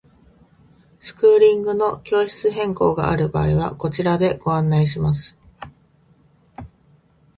スクーリングの教室変更がある場合はこちらでご案内します。